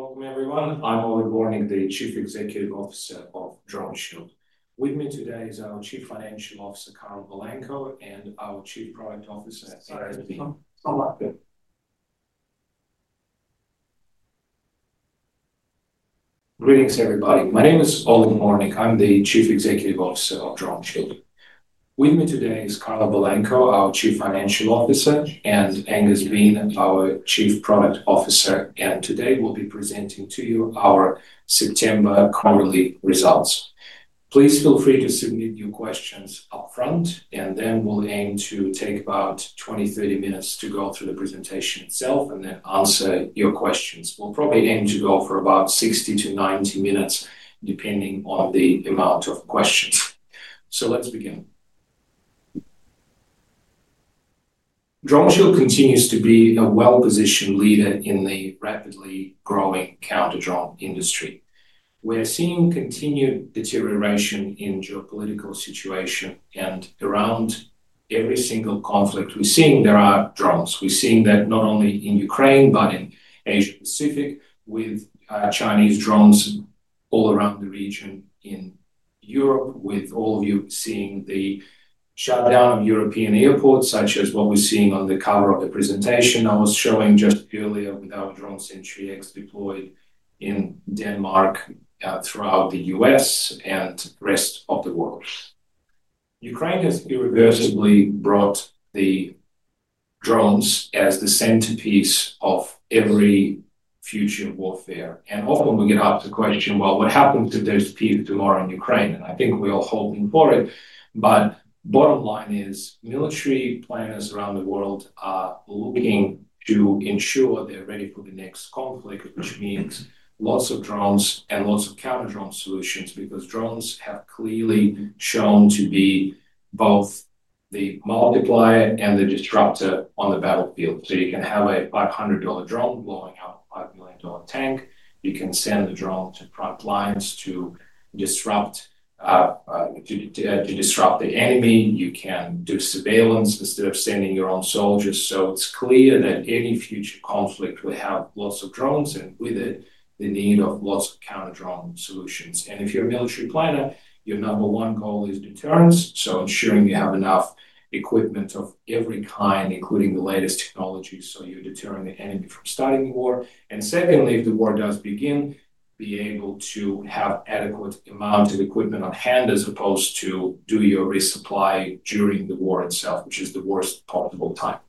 Welcome, everyone. I'm Oleg Vornik, the Chief Executive Officer of DroneShield. With me today is our Chief Financial Officer, Carla Balanco, and our Chief Product Officer, Angus Bean. Greetings, everybody. My name is Oleg Vornik. I'm the Chief Executive Officer of DroneShield. With me today is Carla Balanco, our Chief Financial Officer, and Angus Bean, our Chief Product Officer. Today, we'll be presenting to you our September quarterly results. Please feel free to submit your questions up front, and then we'll aim to take about 20, 30 minutes to go through the presentation itself and then answer your questions. We'll probably aim to go for about 60-90 minutes, depending on the amount of questions. Let's begin. DroneShield continues to be a well-positioned leader in the rapidly growing counter-drone industry. We're seeing continued deterioration in the geopolitical situation, and around every single conflict, we're seeing there are drones. We're seeing that not only in Ukraine but in the Asia-Pacific, with Chinese drones all around the region, in Europe, with all of you seeing the shutdown of European airports, such as what we're seeing on the cover of the presentation I was showing just earlier with our DroneSentry-X deployed in Denmark, throughout the U.S., and the rest of the world. Ukraine has irreversibly brought the drones as the centerpiece of every future warfare. Often, we get asked the question, what happens to those people tomorrow in Ukraine? I think we're all hoping for it. Bottom line is military planners around the world are looking to ensure they're ready for the next conflict, which means lots of drones and lots of Counter-Drone Solutions because drones have clearly shown to be both the multiplier and the disruptor on the battlefield. You can have a $500 drone blowing up a $5 million tank. You can send the drone to front lines to disrupt the enemy. You can do surveillance instead of sending your own soldiers. It's clear that any future conflict, we have lots of drones, and with it, the need of lots of counter-drone solutions. If you're a military planner, your number one goal is deterrence, so ensuring you have enough equipment of every kind, including the latest technology, so you're deterring the enemy from starting the war. Secondly, if the war does begin, be able to have an adequate amount of equipment on hand as opposed to do your resupply during the war itself, which is the worst possible time.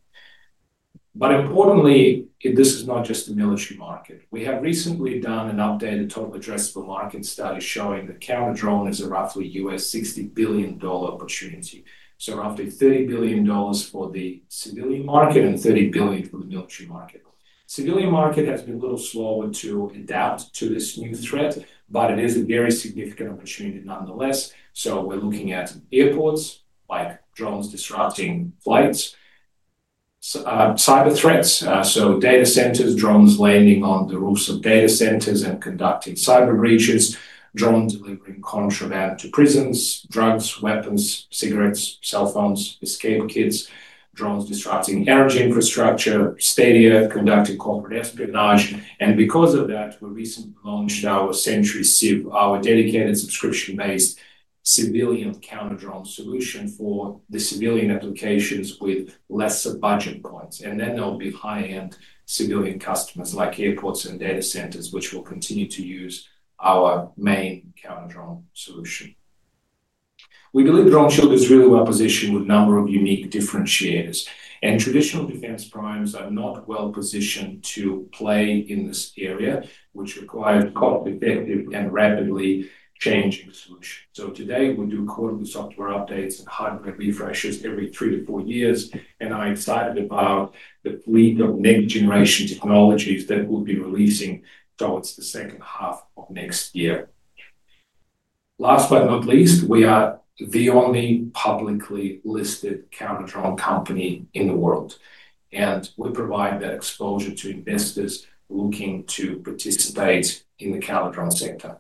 Importantly, this is not just the military market. We have recently done an updated total addressable market study showing that counter-drone is a roughly $60 billion opportunity, so roughly $30 billion for the civilian market and $30 billion for the military market. The civilian market has been a little slower to adapt to this new threat, but it is a very significant opportunity nonetheless. We're looking at airports, like drones disrupting flights, cyber threats, so data centers, drones landing on the roofs of data centers and conducting cyber breaches, drones delivering contraband to prisons, drugs, weapons, cigarettes, cell phones, escape kits, drones disrupting energy infrastructure, stadiums conducting corporate espionage. Because of that, we recently launched our Sentry Civ, our dedicated subscription-based civilian counter-drone solution for the civilian applications with lesser budget points. There will be high-end civilian customers, like airports and data centers, which will continue to use our main counter-drone solution. We believe DroneShield is really well positioned with a number of unique differentiators. Traditional defense programs are not well positioned to play in this area, which requires cost-effective and rapidly changing solutions. Today, we do quarterly software updates and hardware refreshes every three to four years. I'm excited about the fleet of next-generation technologies that we'll be releasing towards the second half of next year. Last but not least, we are the only publicly listed counter-drone company in the world. We provide that exposure to investors looking to participate in the Counter-Drone sector.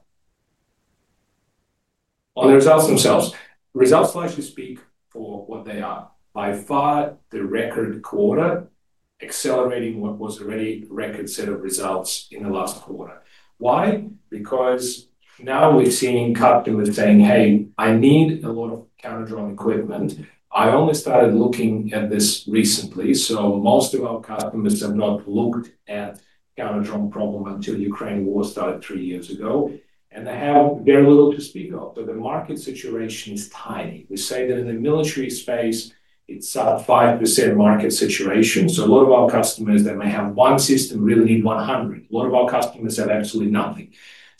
On the results themselves, results largely speak for what they are. By far, the record quarter, accelerating what was already a record set of results in the last quarter. Why? Because now we're seeing customers saying, "Hey, I need a lot of counter-drone equipment. I only started looking at this recently." Most of our customers have not looked at the counter-drone problem until the Ukraine war started three years ago. They have very little to speak of. The market situation is tiny. We say that in the military space, it's a 5% market situation. A lot of our customers that may have one system really need 100. A lot of our customers have absolutely nothing.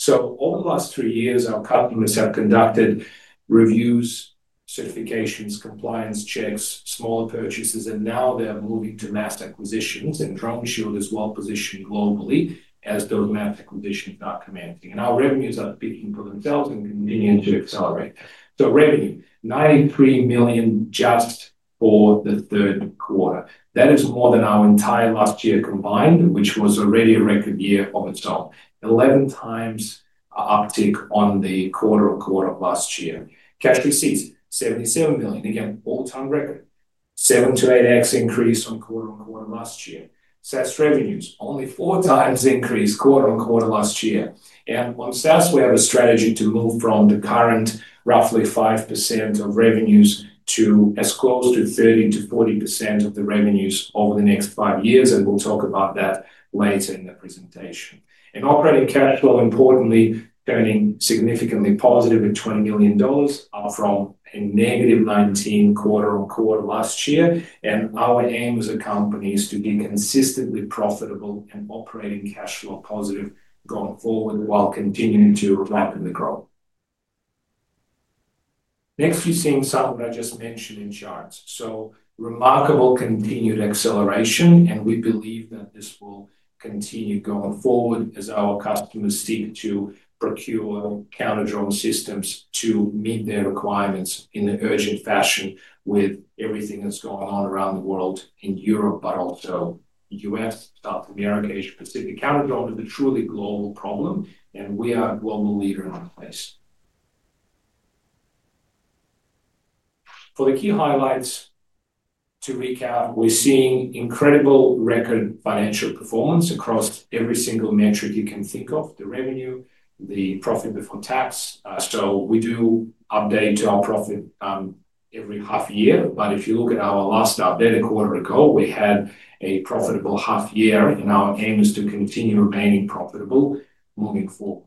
Over the last three years, our customers have conducted reviews, certifications, compliance checks, smaller purchases, and now they're moving to mass acquisitions. DroneShield is well positioned globally as those mass acquisitions are commanding. Our revenues are speaking for themselves and continue to accelerate. Revenue, $93 million just for the third quarter. That is more than our entire last year combined, which was already a record year of its own, 11x an uptick on the quarter-on-quarter of last year. Cash receipts, $77 million, again, all-time record, 7x-8x increase on quarter-on-quarter last year. SaaS revenues, only four times increase quarter-on-quarter last year. On SaaS, we have a strategy to move from the current roughly 5% of revenues to as close to 30%-40% of the revenues over the next five years. We'll talk about that later in the presentation. Operating cash flow, importantly, turning significantly positive at $20 million from a -$19 million quarter-on-quarter last year. Our aim as a company is to be consistently profitable and operating cash flow positive going forward while continuing to rapidly grow. Next, you're seeing something that I just mentioned in charts. Remarkable continued acceleration. We believe that this will continue going forward as our customers seek to procure counter-drone systems to meet their requirements in an urgent fashion with everything that's going on around the world in Europe, but also the U.S., South America, Asia-Pacific. Counter-drone is a truly global problem. We are a global leader in our place. For the key highlights to recap, we're seeing incredible record financial performance across every single metric you can think of: the revenue, the profit before tax. We do update our profit every half year. If you look at our last update a quarter ago, we had a profitable half year. Our aim is to continue remaining profitable moving forward.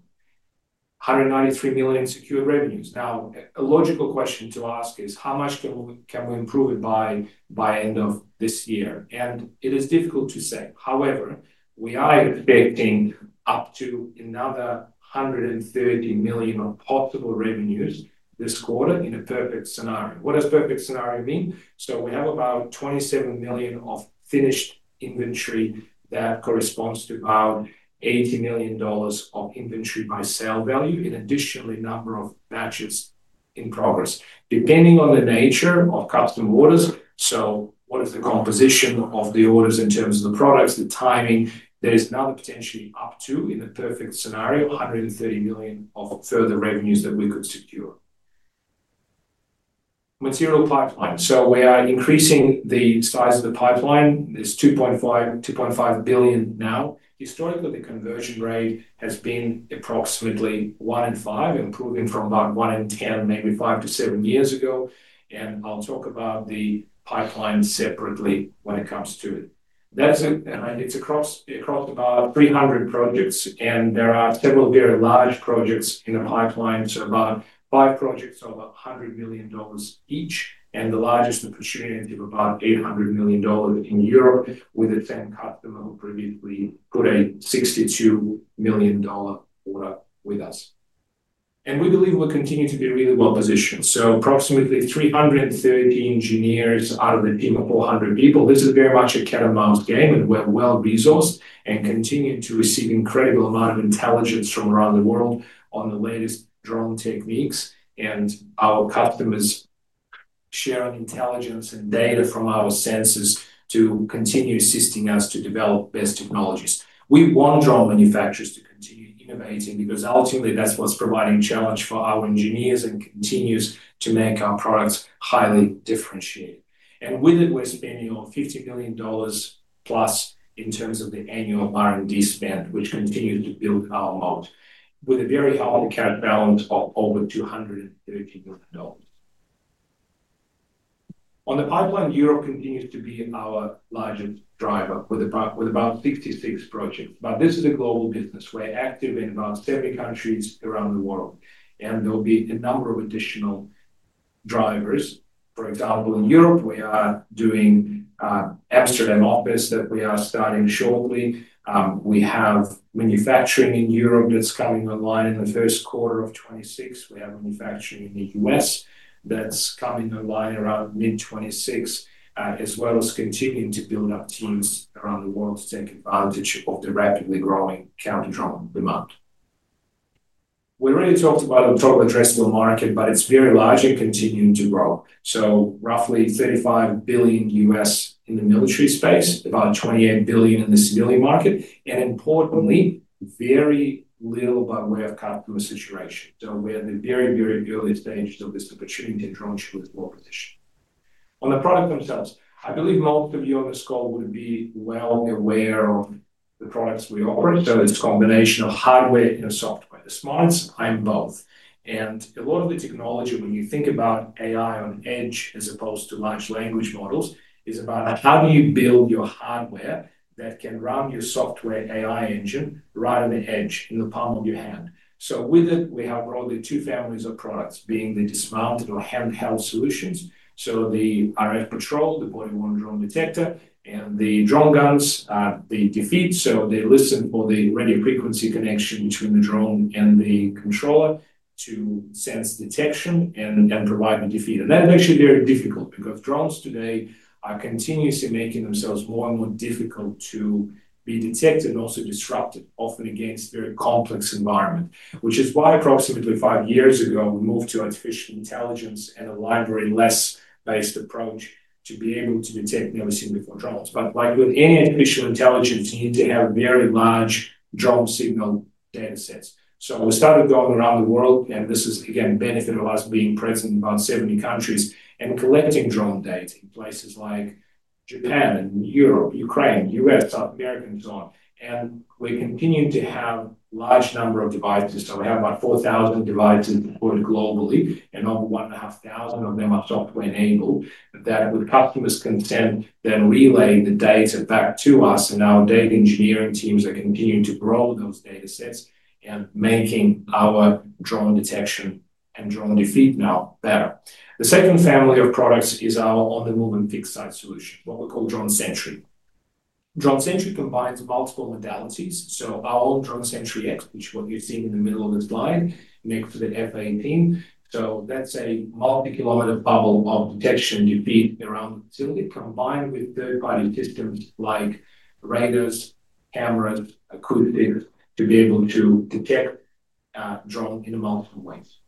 $193 million in secured revenues. Now, a logical question to ask is, how much can we improve it by the end of this year? It is difficult to say. However, we are expecting up to another $130 million of profitable revenues this quarter in a perfect scenario. What does perfect scenario mean? We have about $27 million of finished inventory that corresponds to about $80 million of inventory by sale value and additionally a number of batches in progress, depending on the nature of custom orders. What is the composition of the orders in terms of the products, the timing? There is another potentially up to, in a perfect scenario, $130 million of further revenues that we could secure. Material pipeline. We are increasing the size of the pipeline. It's $2.5 billion now. Historically, the conversion rate has been approximately one in five, improving from about one in 10 maybe five to seven years ago. I'll talk about the pipeline separately when it comes to it. It's across about 300 projects. There are several very large projects in the pipeline, about five projects of about $100 million each and the largest opportunity of about $800 million in Europe with a 10 customer who previously put a $62 million order with us. We believe we continue to be really well positioned. Approximately 330 engineers out of the team of 400 people. This is very much a cat-and-mouse game. We're well resourced and continue to receive an incredible amount of intelligence from around the world on the latest drone techniques. Our customers share intelligence and data from our sensors to continue assisting us to develop best technologies. We want drone manufacturers to continue innovating because ultimately, that's what's providing a challenge for our engineers and continues to make our products highly differentiated. With it, we're spending over $50 million+ in terms of the annual R&D spend, which continues to build our moat with a very high cash balance of over $230 million. On the pipeline, Europe continues to be our largest driver with about 66 projects. This is a global business. We're active in about 70 countries around the world. There will be a number of additional drivers. For example, in Europe, we are doing an Amsterdam office that we are starting shortly. We have manufacturing in Europe that's coming online in the first quarter of 2026. We have manufacturing in the U.S. that's coming online around mid-2026, as well as continuing to build up teams around the world to take advantage of the rapidly growing counter-drone demand. We already talked about the total addressable market, it's very large and continuing to grow. Roughly $35 billion U.S. in the military space, about $28 billion in the civilian market, and importantly, very little by way of customer situation. We're at the very, very early stages of this opportunity and DroneShield is well positioned. On the products themselves, I believe most of you on this call would be well aware of the products we offer. It's a combination of hardware and software. The smarts are in both. A lot of the technology, when you think about AI on edge as opposed to large language models, is about how you build your hardware that can run your software AI engine right on the edge, in the palm of your hand. With it, we have broadly two families of products, being the dismounted or handheld solutions. The RfPatrol, the body-worn drone detector, and the DroneGun devices provide the defeat. They listen for the radio frequency connection between the drone and the controller to sense detection and provide the defeat. That is actually very difficult because drones today are continuously making themselves more and more difficult to be detected and also disrupted, often against a very complex environment, which is why approximately five years ago, we moved to artificial intelligence and a library-less-based approach to be able to detect never-seen-before drones. Like with any artificial intelligence, you need to have very large drone signal data sets. We started going around the world. This is, again, a benefit of us being present in about 70 countries and collecting drone data in places like Japan, Europe, Ukraine, U.S., South America, and so on. We continue to have a large number of devices. We have about 4,000 devices deployed globally, and over 1,500 of them are software-enabled that, with customers' consent, then relay the data back to us. Our data engineering teams are continuing to grow those data sets and making our drone detection and drone defeat now better. The second family of products is our on-the-move and fixed-site solution, what we call DroneSentry. DroneSentry combines multiple modalities. Our own DroneSentry-X, which is what you're seeing in the middle of the slide, next to the FAA team, is a multi-kilometer bubble of detection and defeat around the facility, combined with third-party systems like radars, cameras, and acoustics to be able to detect a drone in multiple ways.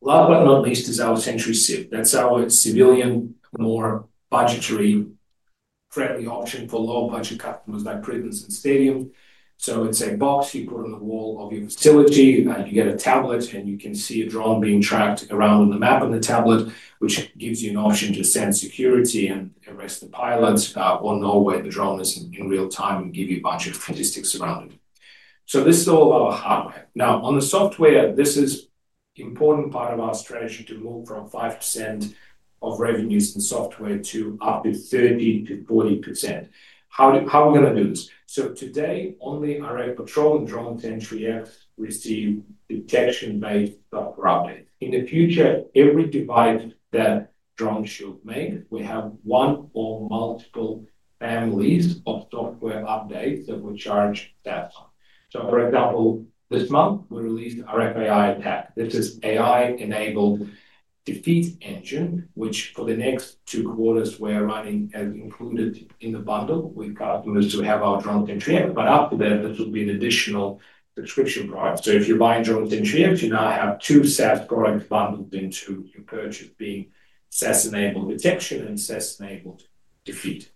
Last but not least is our Sentry Civ. That's our civilian, more budget-friendly option for low-budget customers like prisons and stadiums. It's a box you put on the wall of your facility. You get a tablet, and you can see a drone being tracked around on the map on the tablet, which gives you an option to send security and arrest the pilots or know where the drone is in real time and give you a bunch of statistics around it. This is all of our hardware. Now, on the software, this is an important part of our strategy to move from 5% of revenues in software to up to 30%-40%. How are we going to do this? Today, only RfPatrol and DroneSentry app receive detection-based software updates. In the future, every device that DroneShield makes, we have one or multiple families of software updates that we charge staff on. For example, this month, we released our RFAI attack. This is AI-enabled defeat engine, which for the next two quarters we're running as included in the bundle with customers who have our DroneSentry app. After that, this will be an additional subscription product. If you're buying DroneSentry-X, you now have two SaaS products bundled into your purchase, being SaaS-enabled detection and SaaS-enabled defeat.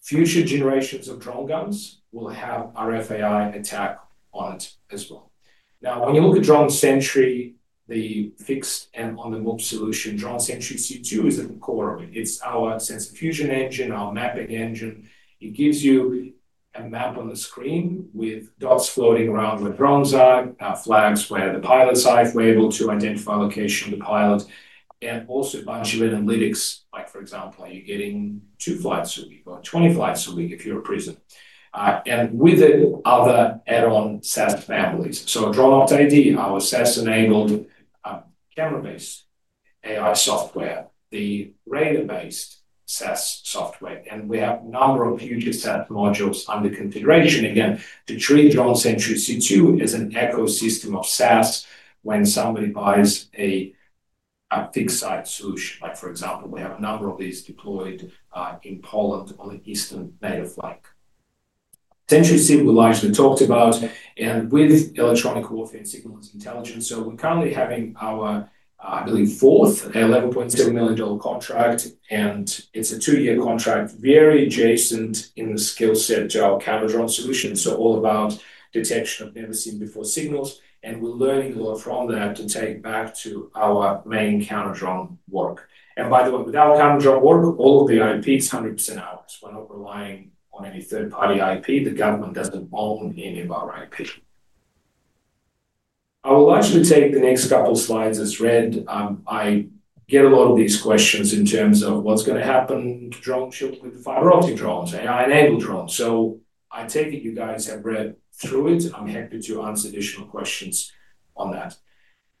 Future generations of DroneGun will have RFAI attack on it as well. When you look at DroneSentry, the fixed and on-the-move solution, DroneSentry-C2 is at the core of it. It's our Sensor Fusion engine, our mapping engine. It gives you a map on the screen with dots floating around where drones are, flags where the pilots are, if we're able to identify the location of the pilot, and also it buys you analytics. For example, are you getting two flights a week or 20 flights a week if you're a prison? With it, other add-on SaaS families. DroneOptID, our SaaS-enabled camera-based AI software, the radar-based SaaS software. We have a number of future SaaS modules under configuration. Again, to treat DroneSentry-C2 as an ecosystem of SaaS when somebody buys a fixed-site solution. For example, we have a number of these deployed in Poland on the eastern NATO flank. Sentry Civ, we largely talked about. With electronic warfare and signal intelligence, we're currently having our, I believe, fourth $11.7 million contract. It's a two-year contract, very adjacent in the skill set to our counter-drone solution. All about detection of never-seen-before signals. We're learning a lot from that to take back to our main counter-drone work. By the way, with our counter-drone work, all of the IP is 100% ours. We're not relying on any third-party IP. The government doesn't own any of our IP. I will actually take the next couple of slides as read. I get a lot of these questions in terms of what's going to happen to DroneShield with the fiber optic drones, AI-enabled drones. I take it you guys have read through it. I'm happy to answer additional questions on that.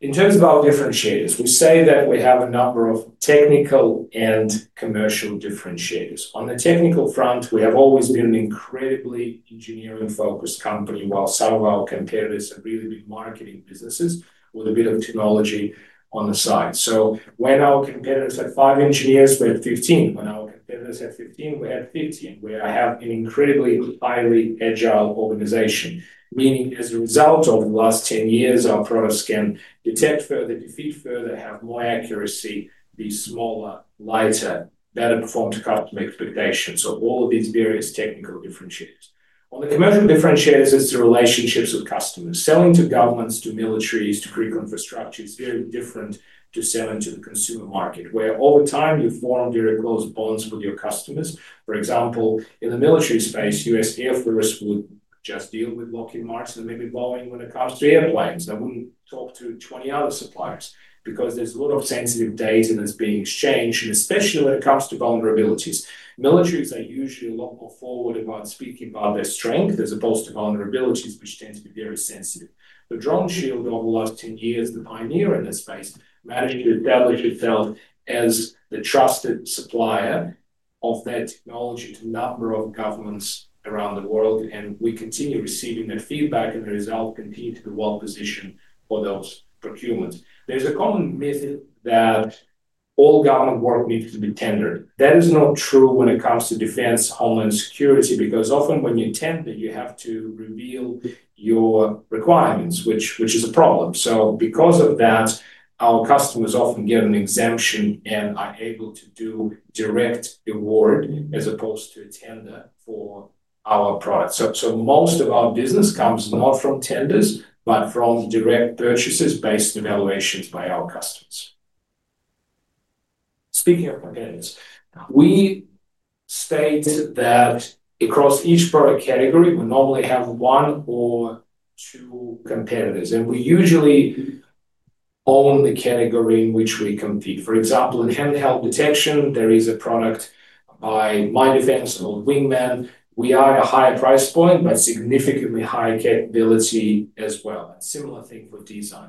In terms of our differentiators, we say that we have a number of technical and commercial differentiators. On the technical front, we have always been an incredibly engineering-focused company, while some of our competitors have really been marketing businesses with a bit of technology on the side. When our competitors had five engineers, we had 15. When our competitors had 15, we had 15. We have an incredibly highly agile organization, meaning as a result of the last 10 years, our products can detect further, defeat further, have more accuracy, be smaller, lighter, better perform to customer expectations, all of these various technical differentiators. On the commercial differentiators, it's the relationships with customers. Selling to governments, to militaries, to critical infrastructure is very different to selling to the consumer market, where over time, you form very close bonds with your customers. For example, in the military space, U.S. Air Force would just deal with Lockheed Martins and maybe Boeing when it comes to airplanes. They wouldn't talk to 20 other suppliers because there's a lot of sensitive data that's being exchanged, and especially when it comes to vulnerabilities. Militaries are usually a lot more forward about speaking about their strength as opposed to vulnerabilities, which tend to be very sensitive. DroneShield, over the last 10 years, the pioneer in this space, managed to establish itself as the trusted supplier of that technology to a number of governments around the world. We continue receiving their feedback. The result continues to be well positioned for those procurements. There's a common myth that all government work needs to be tendered. That is not true when it comes to defense, homeland security because often when you tender, you have to reveal your requirements, which is a problem. Because of that, our customers often get an exemption and are able to do direct award as opposed to a tender for our product. Most of our business comes not from tenders, but from direct purchases based on evaluations by our customers. Speaking of competitors, we state that across each product category, we normally have one or two competitors. We usually own the category in which we compete. For example, in handheld detection, there is a product by MyDefence, an old Wingman. We are at a higher price point, but significantly higher capability as well. A similar thing for design.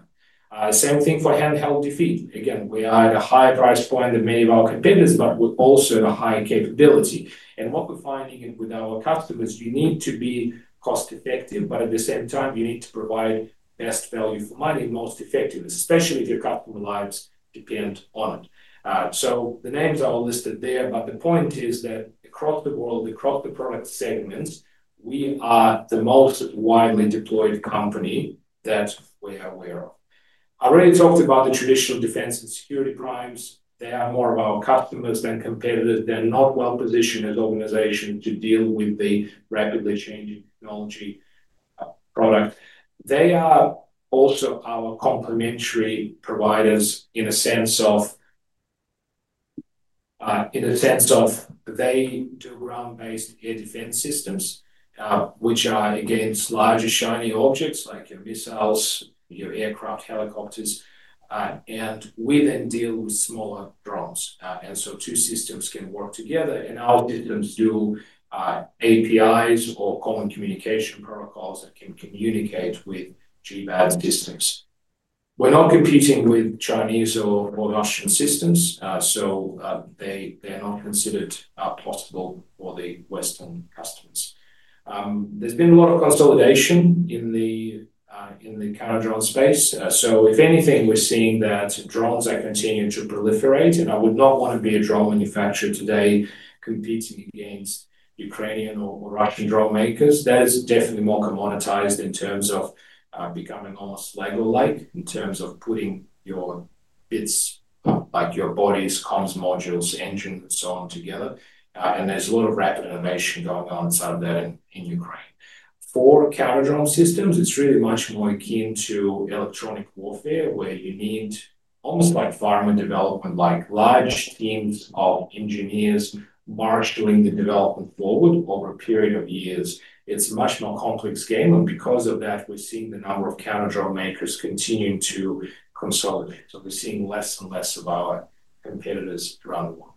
Same thing for handheld defeat. Again, we are at a higher price point than many of our competitors, but we're also at a higher capability. What we're finding with our customers, you need to be cost-effective, but at the same time, you need to provide best value for money and most effective, especially if your customer lives depend on it. The names are all listed there. The point is that across the world, across the product segments, we are the most widely deployed company that we're aware of. I already talked about the traditional defense and security primes. They are more of our customers than competitors. They're not well positioned as an organization to deal with the rapidly changing technology product. They are also our complementary providers in a sense of they do ground-based air defense systems, which are against larger shiny objects like your missiles, your aircraft, helicopters. We then deal with smaller drones. Two systems can work together. Our systems do APIs or common communication protocols that can communicate with GBAD systems. We're not competing with Chinese or Russian systems. They're not considered possible for the Western customers. There's been a lot of consolidation in the Counter-Drone space. If anything, we're seeing that drones are continuing to proliferate. I would not want to be a drone manufacturer today competing against Ukrainian or Russian drone makers. That is definitely more commoditized in terms of becoming almost Lego-like in terms of putting your bits like your bodies, comms modules, engines, and so on together. There's a lot of rapid innovation going on inside of that in Ukraine. For counter-drone systems, it's really much more akin to electronic warfare where you need almost like farmer development, like large teams of engineers marshaling the development forward over a period of years. It's a much more complex game. Because of that, we're seeing the number of counter-drone makers continuing to consolidate. We're seeing less and less of our competitors around the world.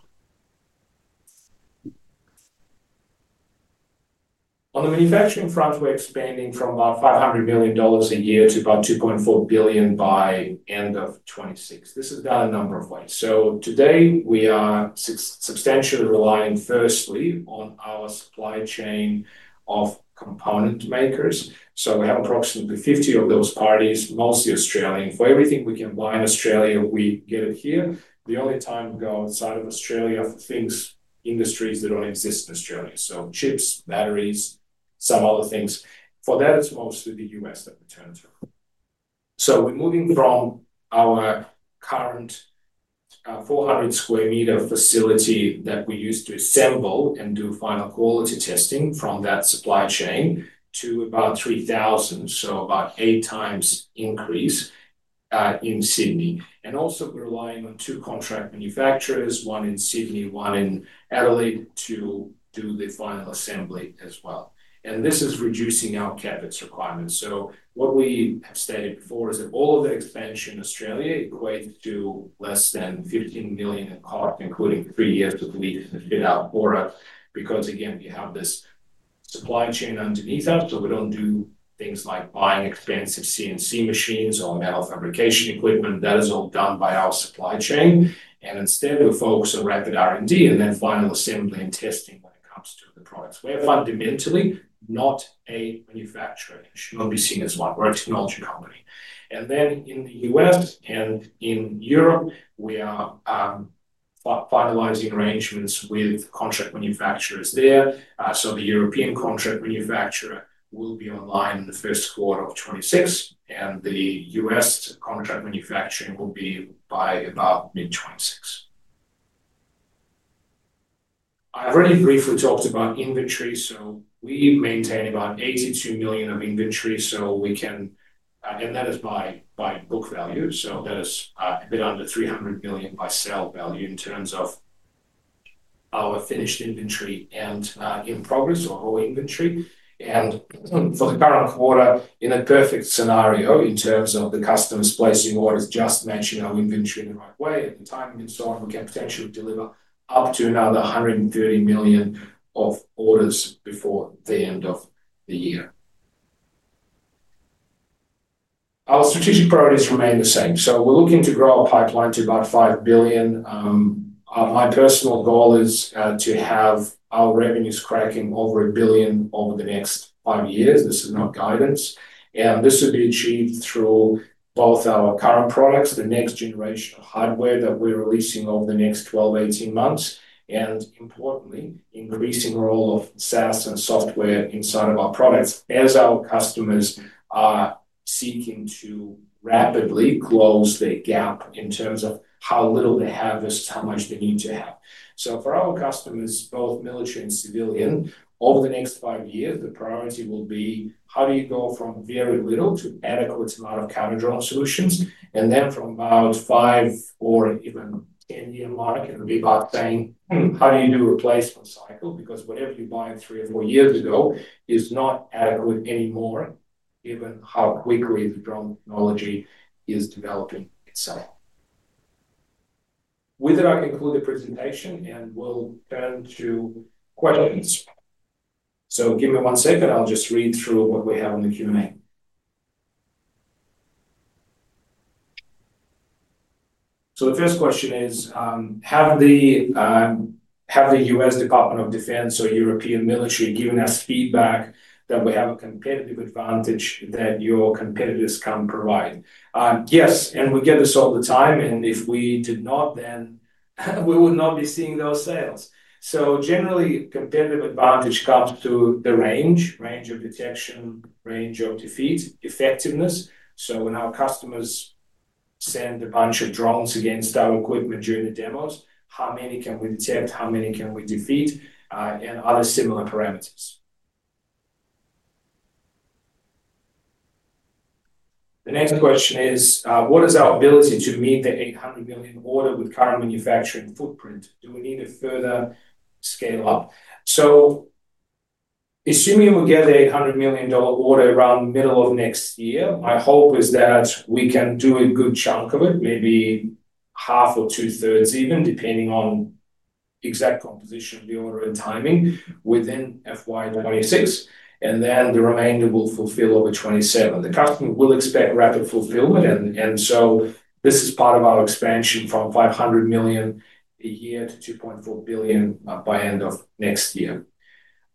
On the manufacturing front, we're expanding from about $500 million a year to about $2.4 billion by the end of 2026. This is done a number of ways. Today, we are substantially relying firstly on our supply chain of component makers. We have approximately 50 of those parties, mostly Australian. For everything we can buy in Australia, we get it here. The only time we go outside of Australia for things is industries that don't exist in Australia, so chips, batteries, some other things. For that, it's mostly the U.S. that we turn to. We're moving from our current 400 sq m facility that we used to assemble and do final quality testing from that supply chain to about 3,000 sq m, so about eight times increase in Sydney. We're relying on two contract manufacturers, one in Sydney, one in Adelaide, to do the final assembly as well. This is reducing our CapEx requirements. What we have stated before is that all of that expansion in Australia equates to less than $15 million in cost, including three years to complete the buildout quarter because, again, we have this supply chain underneath us. We don't do things like buying expensive CNC machines or metal fabrication equipment. That is all done by our supply chain. Instead, we focus on rapid R&D and then final assembly and testing when it comes to the products. We are fundamentally not a manufacturer. It should not be seen as one. We're a technology company. In the U.S. and in Europe, we are finalizing arrangements with contract manufacturers there. The European contract manufacturer will be online in the first quarter of 2026. The U.S. contract manufacturing will be by about mid-2026. I've already briefly talked about inventory. We maintain about $82 million of inventory, and that is by book value. That is a bit under $300 million by sale value in terms of our finished inventory and in progress or our inventory. For the current quarter, in a perfect scenario in terms of the customers placing orders, just matching our inventory in the right way at the time and so on, we can potentially deliver up to another $130 million of orders before the end of the year. Our strategic priorities remain the same. We're looking to grow our pipeline to about $5 billion. My personal goal is to have our revenues cracking over $1 billion over the next five years. This is not guidance. This would be achieved through both our current products, the next generation of hardware that we're releasing over the next 12-18 months, and importantly, increasing the role of SaaS and software inside of our products as our customers are seeking to rapidly close their gap in terms of how little they have versus how much they need to have. For our customers, both military and civilian, over the next five years, the priority will be how do you go from very little to an adequate amount of counter-drone solutions. From about the five or even 10-year mark, it will be about saying, how do you do a replacement cycle? Because whatever you buy three or four years ago is not adequate anymore, given how quickly the drone technology is developing itself. With it, I conclude the presentation. We'll turn to questions. Give me one second. I'll just read through what we have in the Q&A. The first question is, have the U.S. Department of Defense or European military given us feedback that we have a competitive advantage that your competitors can't provide? Yes. We get this all the time. If we did not, then we would not be seeing those sales. Generally, a competitive advantage comes to the range, range of detection, range of defeat, effectiveness. When our customers send a bunch of drones against our equipment during the demos, how many can we detect? How many can we defeat? And other similar parameters. The next question is, what is our ability to meet the $800 million order with current manufacturing footprint? Do we need to further scale up? Assuming we get the $800 million order around the middle of next year, my hope is that we can do a good chunk of it, maybe half or two-thirds even, depending on the exact composition of the order and timing, within FY 2026. The remainder will fulfill over 2027. The customer will expect rapid fulfillment. This is part of our expansion from $500 million a year to $2.4 billion by the end of next year.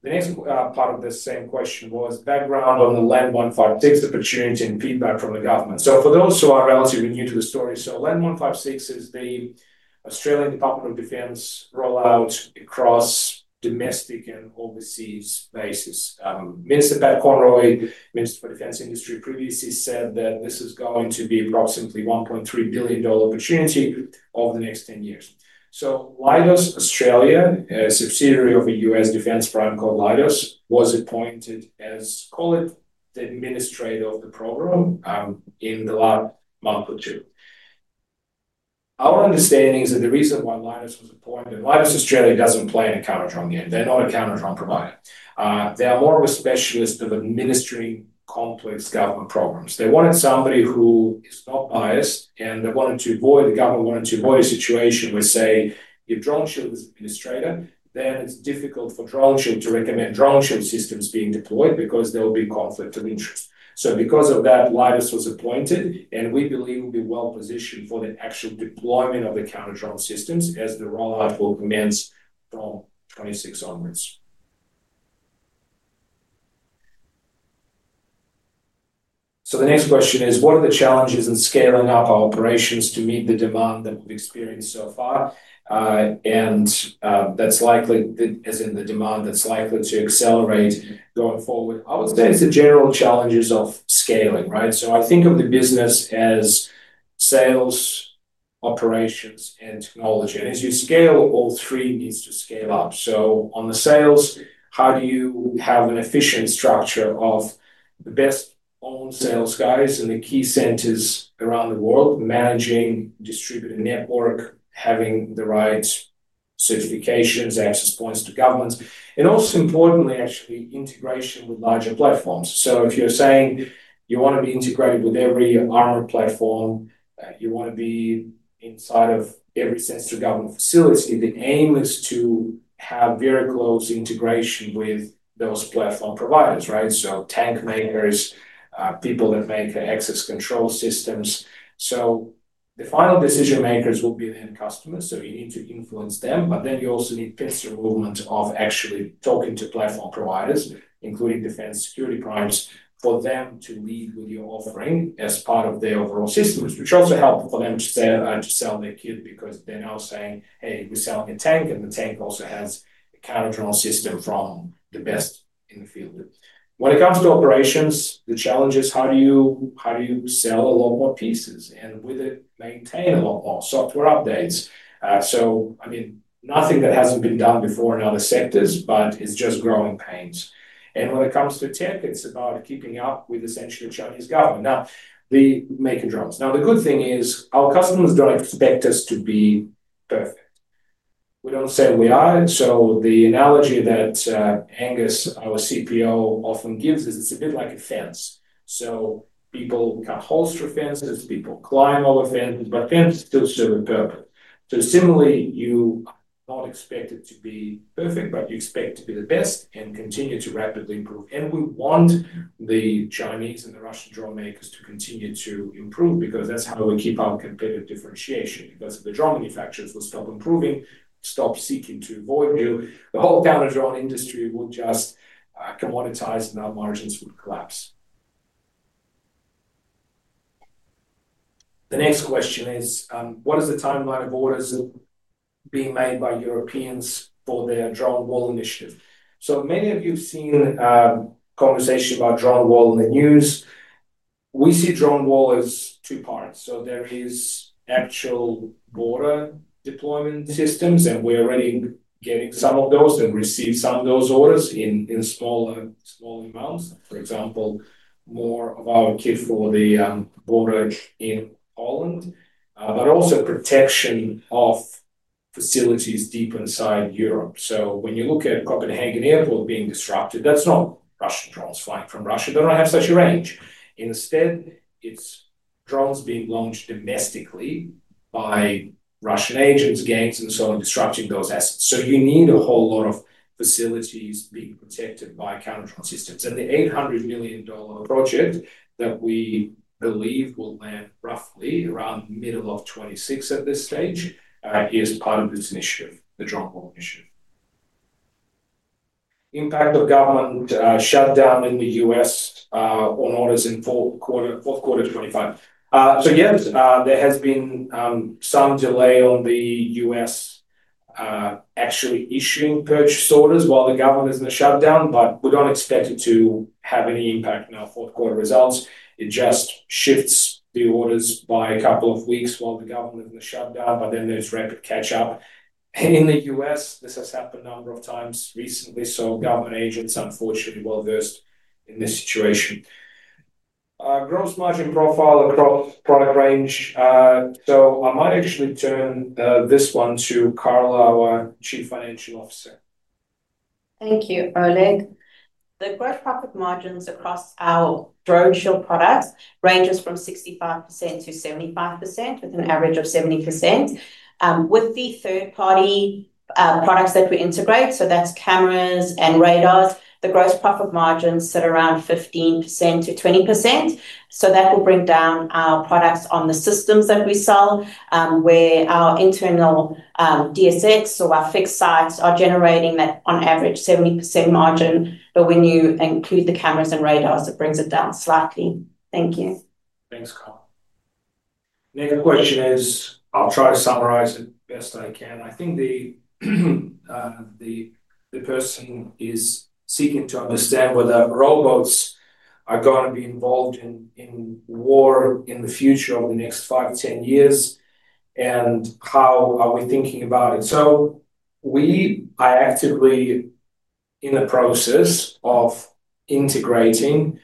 The next part of the same question was background on the LEND156 opportunity and feedback from the government. For those who are relatively new to the story, LEND156 is the Australian Department of Defence rollout across domestic and overseas bases. Minister Pat Conroy, Minister for Defence Industry, previously said that this is going to be approximately a $1.3 billion opportunity over the next 10 years. LiDARS Australia, a subsidiary of a U.S. Defense prime called LiDARS, was appointed as, call it, the administrator of the program in the last month or two. Our understanding is that the reason why LiDARS was appointed, LiDARS Australia doesn't play in a counter-drone game. They're not a counter-drone provider. They are more of a specialist of administering complex government programs. They wanted somebody who is not biased. They wanted to avoid, the government wanted to avoid a situation where, say, if DroneShield is the administrator, then it's difficult for DroneShield to recommend DroneShield systems being deployed because there will be conflict of interest. Because of that, LiDARS was appointed. We believe we'll be well positioned for the actual deployment of the counter-drone systems as the rollout will commence from 2026 onwards. The next question is, what are the challenges in scaling up our operations to meet the demand that we've experienced so far? That's likely that, as in the demand, that's likely to accelerate going forward. I would say it's the general challenges of scaling, right? I think of the business as sales, operations, and technology. As you scale, all three need to scale up. On the sales, how do you have an efficient structure of the best owned sales guys in the key centers around the world, managing distributed network, having the right certifications, access points to governments, and also importantly, actually, integration with larger platforms? If you're saying you want to be integrated with every armored platform, you want to be inside of every sensitive government facility, the aim is to have very close integration with those platform providers, right? Tank makers, people that make the access control systems. The final decision makers will be the end customers. You need to influence them. You also need pincer movement of actually talking to platform providers, including defense security primes, for them to lead with your offering as part of their overall systems, which also helps for them to sell their kit because they're now saying, hey, we're selling a tank. The tank also has a counter-drone system from the best in the field. When it comes to operations, the challenge is how do you sell a lot more pieces and with it maintain a lot more software updates? Nothing that hasn't been done before in other sectors, but it's just growing pains. When it comes to tech, it's about keeping up with essentially the Chinese government, the maker drones. The good thing is our customers don't expect us to be perfect. We don't say we are. The analogy that Angus, our CPO, often gives is it's a bit like a fence. People cut holes through fences. People climb over fences. Fences still serve a purpose. Similarly, you are not expected to be perfect, but you expect to be the best and continue to rapidly improve. We want the Chinese and the Russian drone makers to continue to improve because that's how we keep our competitive differentiation. If the drone manufacturers stop improving, stop seeking to avoid you, the whole counter-drone industry would just commoditize, and our margins would collapse. The next question is, what is the timeline of orders being made by Europeans for their DroneWall initiative? Many of you have seen a conversation about DroneWall in the news. We see DroneWall as two parts. There are actual border deployment systems, and we're already getting some of those and receiving some of those orders in smaller amounts, for example, more of our kit for the border in Holland, but also protection of facilities deep inside Europe. When you look at Copenhagen Airport being disrupted, that's not Russian drones flying from Russia. They don't have such a range. Instead, it's drones being launched domestically by Russian agents, gangs, and so on, disrupting those assets. You need a whole lot of facilities being protected by counter-drone systems. The $800 million project that we believe will land roughly around the middle of 2026 at this stage is part of this initiative, the DroneWall initiative. Impact of government shutdown in the U.S. on orders in fourth quarter of 2025. Yes, there has been some delay on the U.S. actually issuing purchase orders while the government is in a shutdown. We don't expect it to have any impact on our fourth quarter results. It just shifts the orders by a couple of weeks while the government is in a shutdown. Then there's rapid catch-up in the U.S. This has happened a number of times recently. Government agents, unfortunately, are well versed in this situation. Gross margin profile across product range. I might actually turn this one to Carla, our Chief Financial Officer. Thank you, Oleg. The gross profit margins across our DroneShield products range from 65%-75%, with an average of 70%. With the third-party products that we integrate, so that's cameras and radars, the gross profit margins sit around 15%-20%. That will bring down our products on the systems that we sell, where our internal DSX or our fixed sites are generating that on average 70% margin. When you include the cameras and radars, it brings it down slightly. Thank you. Thanks, Carla. Next question is, I'll try to summarize it best I can. I think the person is seeking to understand whether robots are going to be involved in war in the future over the next five to 10 years and how are we thinking about it. We are actively in the process of integrating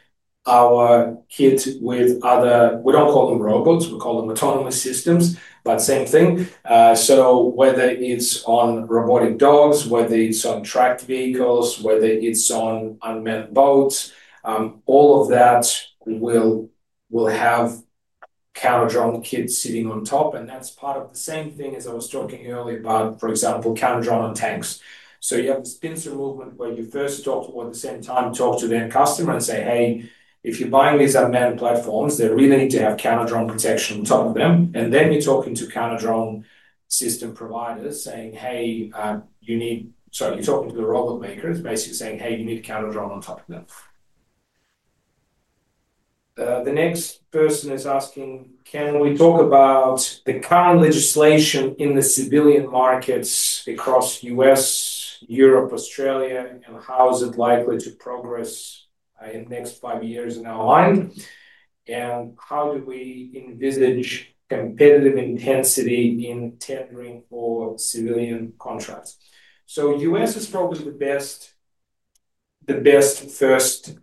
our kit with other, we don't call them robots. We call them Autonomous Systems, but same thing. Whether it's on robotic dogs, whether it's on tracked vehicles, whether it's on unmanned boats, all of that will have counter-drone kits sitting on top. That's part of the same thing as I was talking earlier about, for example, counter-drone on tanks. You have this pincer movement where you first talk to, at the same time, talk to the end customer and say, hey, if you're buying these unmanned platforms, they really need to have counter-drone protection on top of them. Then you're talking to counter-drone system providers saying, hey, you need, so you're talking to the robot makers, basically saying, hey, you need a counter-drone on top of them. The next person is asking, can we talk about the current legislation in the civilian markets across U.S., Europe, Australia, and how is it likely to progress in the next five years in our line? How do we envisage competitive intensity in tendering for civilian contracts? U.S. has probably the best first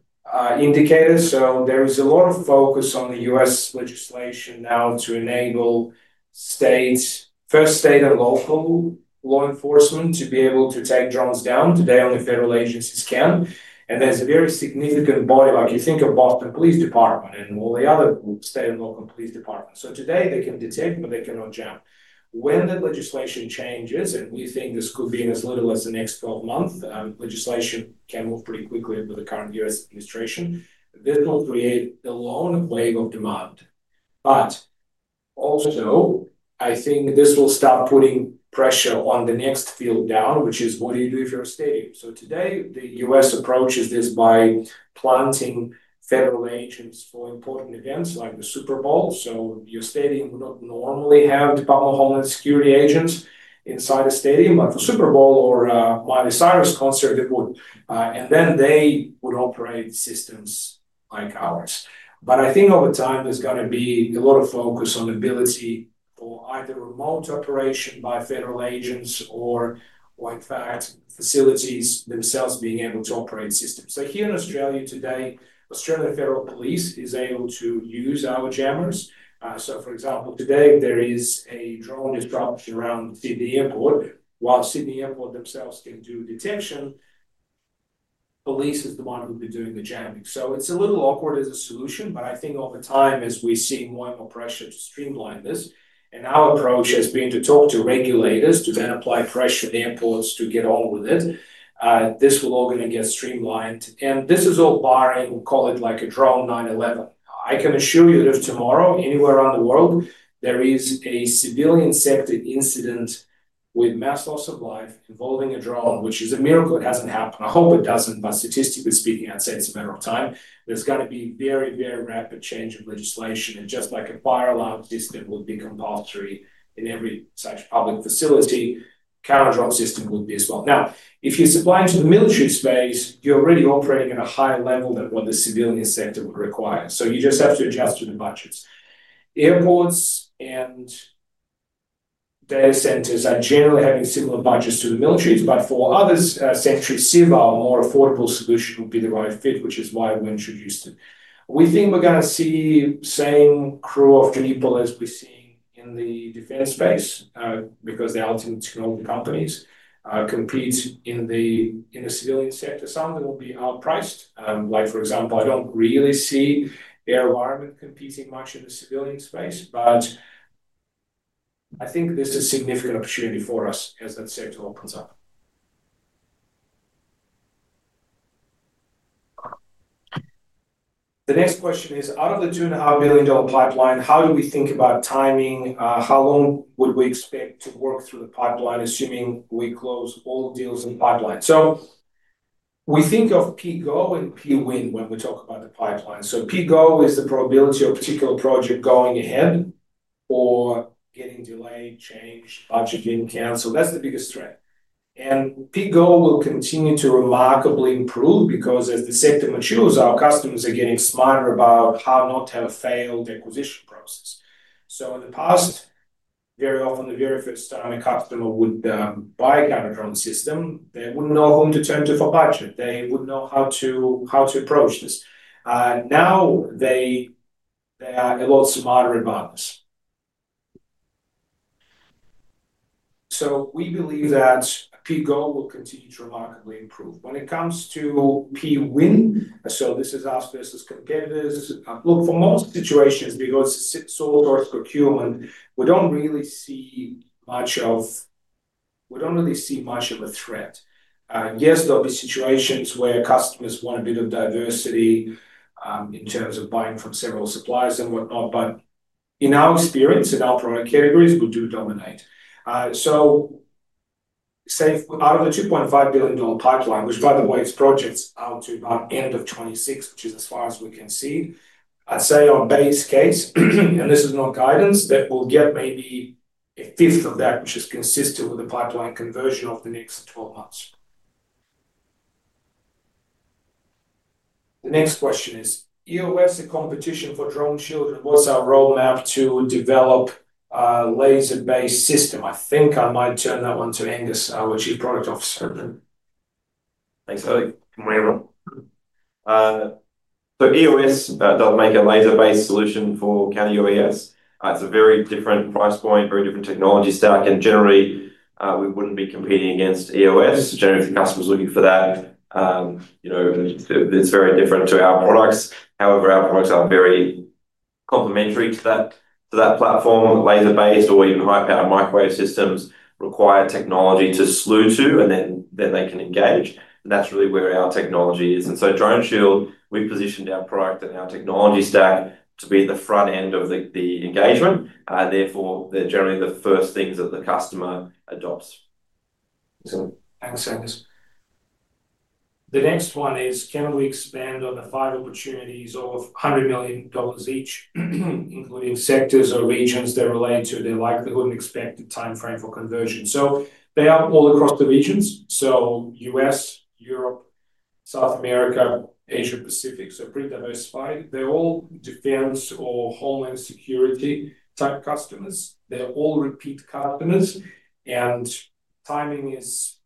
indicator. There is a lot of focus on the U.S. legislation now to enable states, first state and local law enforcement to be able to take drones down. Today, only federal agencies can. There's a very significant body like you think of Boston Police Department and all the other state and local police departments. Today, they can detect, but they cannot jam. When that legislation changes, and we think this could be in as little as the next 12 months, legislation can move pretty quickly under the current U.S. administration, this will create a long wave of demand. I think this will start putting pressure on the next field down, which is what do you do if you're a stadium? Today, the U.S. approaches this by planting federal agents for important events like the Super Bowl. Your stadium would not normally have the Department of Homeland Security agents inside a stadium. For the Super Bowl or Miley Cyrus concert, they would. Then they would operate systems like ours. I think over time, there's going to be a lot of focus on the ability for either remote operation by federal agents or, in fact, facilities themselves being able to operate systems. Here in Australia today, Australian Federal Police is able to use our jammers. For example, today, there is a drone disruption around Sydney Airport. While Sydney Airport themselves can do detection, police is the one who will be doing the jamming. It's a little awkward as a solution. I think over time, as we see more and more pressure to streamline this, and our approach has been to talk to regulators to then apply pressure to the airports to get on with it, this is all going to get streamlined. This is all barring, we'll call it like a Drone 9/11. I can assure you that if tomorrow anywhere around the world there is a civilian-sector incident with mass loss of life involving a drone, which is a miracle it hasn't happened, I hope it doesn't, but statistically speaking, I'd say it's a matter of time, there's going to be very, very rapid change in legislation. Just like a fire alarm system would be compulsory in every such public facility, a counter-drone system would be as well. Now, if you're supplying to the military space, you're already operating at a higher level than what the civilian sector would require. You just have to adjust to the budgets. Airports and data centers are generally having similar budgets to the military's. For others, Sentry Civ, our more affordable solution, would be the right fit, which is why we introduced it. We think we're going to see the same crew of Juniper as we're seeing in the Defense Space because they are ultimately technology companies. Compete in the civilian sector, some of them will be outpriced. For example, I don't really see AeroVironment competing much in the civilian space. I think this is a significant opportunity for us as that sector opens up. The next question is, out of the $2.5 billion pipeline, how do we think about timing? How long would we expect to work through the pipeline, assuming we close all deals in the pipeline? We think of P-GO and P-WIN when we talk about the pipeline. P-GO is the probability of a particular project going ahead or getting delayed, changed, budgeted in, canceled. That's the biggest threat. P-GO will continue to remarkably improve because as the sector matures, our customers are getting smarter about how not to have a failed acquisition process. In the past, very often, the very first time a customer would buy a counter-drone system, they wouldn't know whom to turn to for budget. They wouldn't know how to approach this. Now, they are a lot smarter about this. We believe that P-GO will continue to remarkably improve. When it comes to P-WIN, this is us versus competitors. For most situations, because it's a sole source procurement, we don't really see much of a threat. Yes, there'll be situations where customers want a bit of diversity in terms of buying from several suppliers and whatnot. In our experience, in our product categories, we do dominate. Out of the $2.5 billion pipeline, which, by the way, projects out to about the end of 2026, which is as far as we can see, I'd say on base case, and this is not guidance, that we'll get maybe a fifth of that, which is consistent with the pipeline conversion over the next 12 months. The next question is, EOS, the competition for DroneShield, and what's our roadmap to develop a laser-based system? I think I might turn that one to Angus, our Chief Product Officer. Thanks, Oleg. EOS does make a laser-based solution for [CAN] EOS. It's a very different price point, very different technology stack. Generally, we wouldn't be competing against EOS. Generally, if the customer is looking for that, it's very different to our products. However, our products are very complementary to that platform. Laser-based or even high-power microwave systems require technology to slew to, and then they can engage. That's really where our technology is DroneShield, we've positioned our product and our technology stack to be at the front end of the engagement. Therefore, they're generally the first things that the customer adopts. Thanks, Angus. The next one is, can we expand on the five opportunities of $100 million each, including sectors or regions they're related to, their likelihood, and expected time frame for conversion? They are all across the regions: U.S., Europe, South America, Asia-Pacific, so pretty diversified. They're all defense or homeland security type customers. They're all repeat customers, and timing is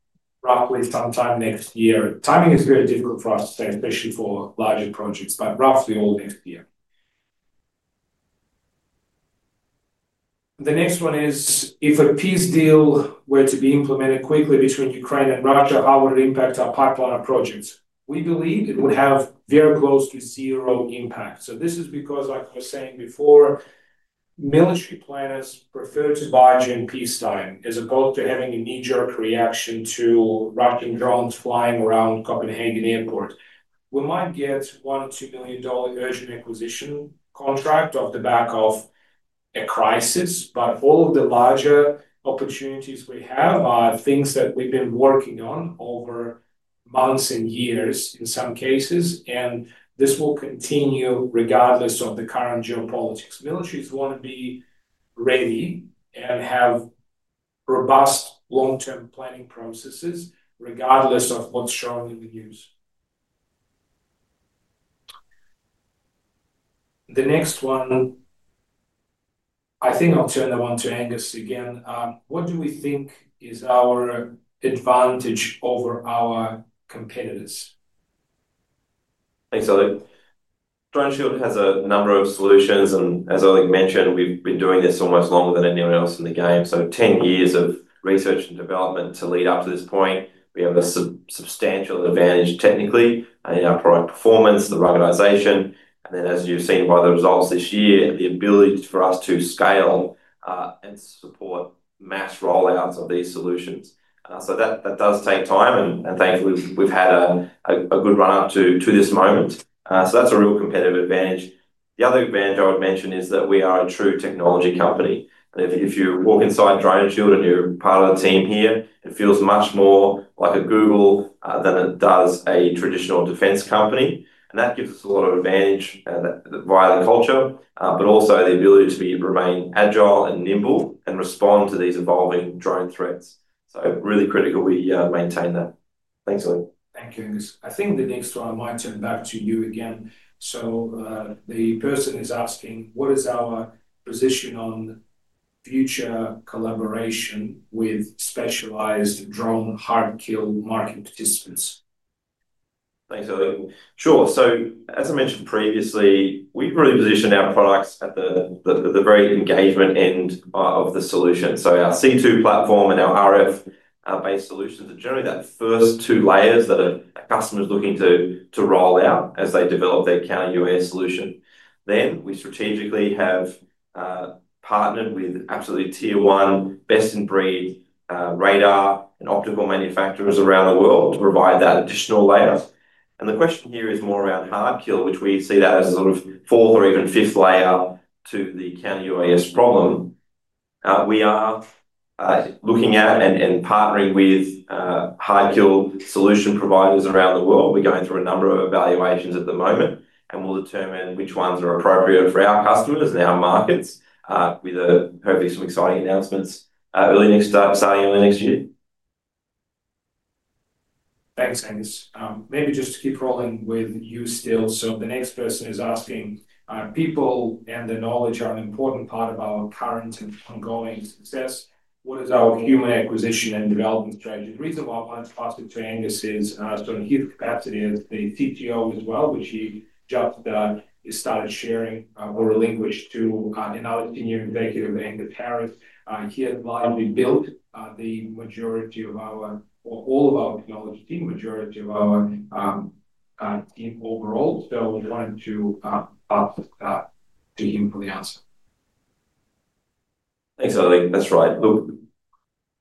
roughly sometime next year. Timing is very difficult for us to say, especially for larger projects, but roughly all next year. The next one is, if a peace deal were to be implemented quickly between Ukraine and Russia, how would it impact our pipeline of projects? We believe it would have very close to zero impact. This is because, like I was saying before, military planners prefer to buy during peacetime as opposed to having a knee-jerk reaction to Russian drones flying around Copenhagen Airport. We might get $1 million, $2 million urgent acquisition contract off the back of a crisis, but all of the larger opportunities we have are things that we've been working on over months and years in some cases. This will continue regardless of the current geopolitics. Militaries want to be ready and have robust long-term planning processes regardless of what's showing in the news. The next one, I think I'll turn the one to Angus again. What do we think is our advantage over our competitors? Thanks, Oleg. DroneShield has a number of solutions. As Oleg mentioned, we've been doing this almost longer than anyone else in the game. Ten years of research and development to lead up to this point, we have a substantial advantage technically in our product performance, the ruggedization. As you've seen by the results this year, the ability for us to scale and support mass rollouts of these solutions does take time. Thankfully, we've had a good run-up to this moment. That's a real competitive advantage. The other advantage I would mention is that we are a true technology company. If you walk inside DroneShield and you're part of the team here, it feels much more like a Google than it does a traditional defense company. That gives us a lot of advantage via the culture, but also the ability to remain agile and nimble and respond to these evolving drone threats. Really critical we maintain that. Thanks, Oleg. Thank you, Angus. I think the next one, I might turn back to you again. The person is asking, what is our position on future collaboration with specialized drone hard-kill market participants? Thanks, Oleg. Sure. As I mentioned previously, we've really positioned our products at the very engagement end of the solution. Our C2 platform and our RF-based solutions are generally that first two layers that a customer is looking to roll out as they develop their counter-UAS solution. We strategically have partnered with absolutely tier one, best-in-breed radar and optical manufacturers around the world to provide that additional layer. The question here is more around hard-kill, which we see as a sort of fourth or even fifth layer to the counter-UAS problem. We are looking at and partnering with hard-kill solution providers around the world. We're going through a number of evaluations at the moment. We'll determine which ones are appropriate for our customers and our markets, with hopefully some exciting announcements starting early next year. Thanks, Angus. Maybe just to keep rolling with you still. The next person is asking, people and their knowledge are an important part of our current and ongoing success. What is our human acquisition and development strategy? The reason why I wanted to pass it to Angus is sort of his capacity as the CTO as well, which he just started sharing or relinquished to another Senior Executive, [Angus Harris.] He had largely built the majority of our or all of our technology team, the majority of our team overall. We wanted to pass it to him for the answer. Thanks, Oleg. That's right. Look,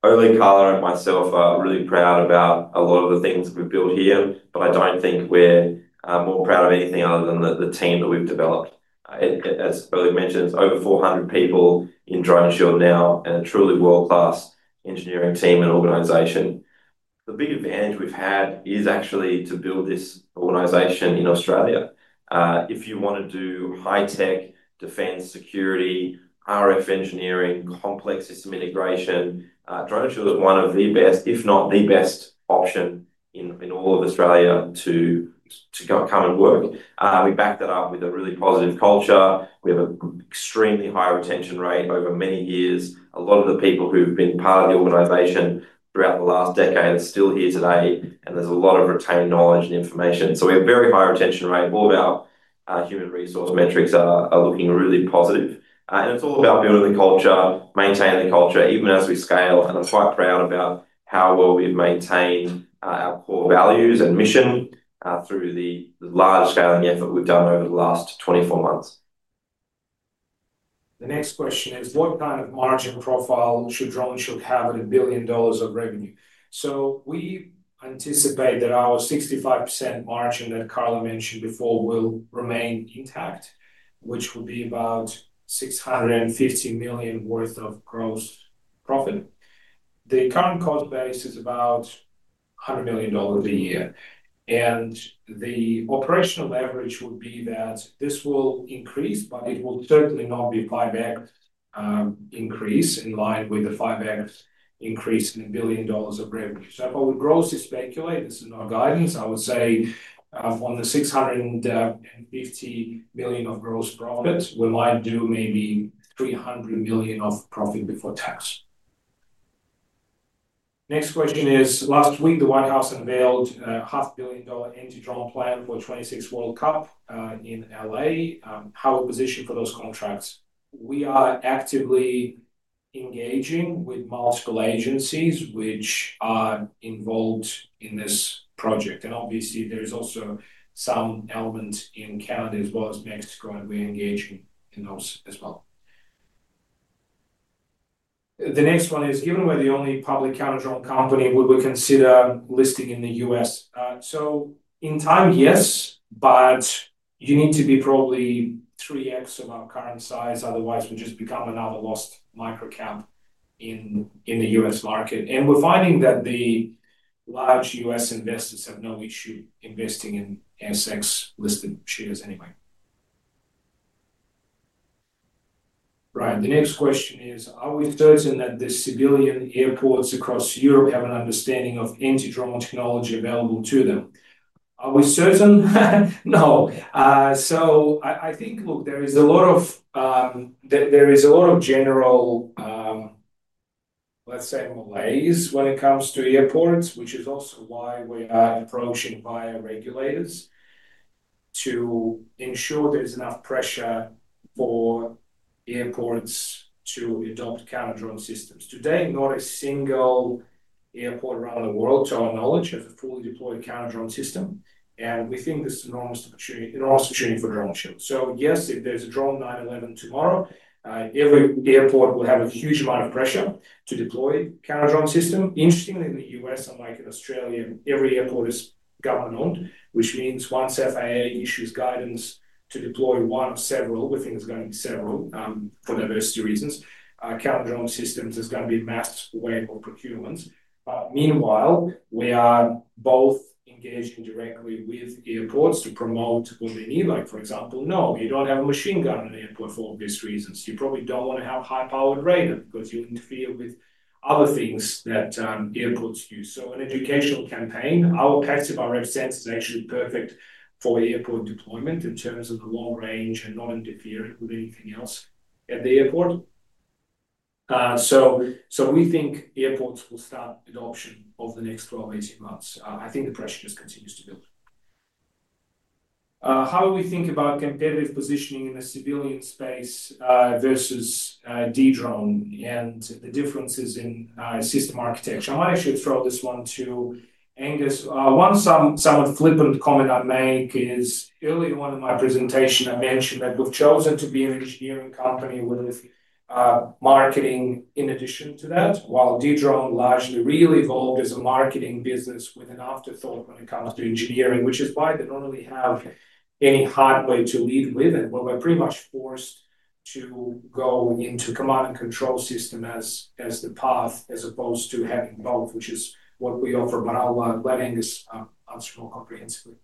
Oleg, Carla, and myself are really proud about a lot of the things that we've built here. I don't think we're more proud of anything other than the team that we've developed. As Oleg mentioned, it's over 400 people in DroneShield now and a truly world-class engineering team and organization. The big advantage we've had is actually to build this organization in Australia. If you want to do high-tech defense security, RF engineering, complex system integration, DroneShield is one of the best, if not the best, option in all of Australia to come and work. We back that up with a really positive culture. We have an extremely high retention rate over many years. A lot of the people who've been part of the organization throughout the last decade are still here today. There's a lot of retained knowledge and information. We have a very high retention rate. All of our human resource metrics are looking really positive. It's all about building the culture, maintaining the culture even as we scale. I'm quite proud about how well we've maintained our core values and mission through the large scaling effort we've done over the last 24 months. The next question is, what kind of margin profile should DroneShield have at $1 billion of revenue? We anticipate that our 65% margin that Carla mentioned before will remain intact, which will be about $650 million worth of gross profit. The current cost base is about $100 million a year. The operational leverage would be that this will increase, but it will certainly not be a 5x increase in line with the 5x inrease in $1 billion of revenue. If I would grossly speculate, this is not guidance, I would say on the $650 million of gross profit, we might do maybe $300 million of profit before tax. Next question is, last week, the White House unveiled a $500 million anti-drone plan for the 2026 World Cup in L.A. How are we positioned for those contracts? We are actively engaging with multiple agencies which are involved in this project. Obviously, there is also some element in Canada as well as Mexico. We're engaging in those as well. The next one is, given we're the only public counter-drone company, would we consider listing in the U.S.? In time, yes. You need to be probably 3x of our current size. Otherwise, we just become another lost microcap in the U.S. market. We're finding that the large U.S. investors have no issue investing in ASX-listed shares anyway. The next question is, are we certain that the civilian airports across Europe have an understanding of anti-drone technology available to them? Are we certain? No. I think, look, there is a lot of general, let's say, malaise when it comes to airports, which is also why we are approaching via regulators to ensure there is enough pressure for airports to adopt counter-drone systems. Today, not a single airport around the world to our knowledge has a fully deployed counter-drone system. We think this is an enormous opportunity for DroneShield. Yes, if there's a Drone 9/11 tomorrow, every airport will have a huge amount of pressure to deploy a counter-drone system. Interestingly, in the U.S., unlike in Australia, every airport is government-owned, which means once FAA issues guidance to deploy one of several, we think it's going to be several for diversity reasons, counter-drone systems, it is going to be a massive wave of procurement. Meanwhile, we are both engaging directly with airports to promote what they need. For example, no, you don't have a machine gun in an airport for obvious reasons. You probably don't want to have high-powered radar because you'll interfere with other things that airports use. An Educational Campaign, our passive RF sensor is actually perfect for airport deployment in terms of the long range and not interfering with anything else at the airport. We think airports will start adoption over the next 12-18 months. I think the pressure just continues to build. How do we think about competitive positioning in the civilian space versus Dedrone and the differences in system architecture? I might actually throw this one to Angus. One somewhat flippant comment I make is earlier in one of my presentations, I mentioned that we've chosen to be an engineering company with marketing in addition to that, while Dedrone largely really evolved as a marketing business with an afterthought when it comes to engineering, which is why they don't really have any hardware to lead with. We're pretty much forced to go into command and control system as the path as opposed to having both, which is what we offer. I'll let Angus answer more comprehensively.